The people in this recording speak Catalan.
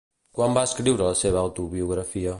Quan va escriure la seva autobiografia?